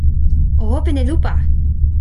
o open e lupa!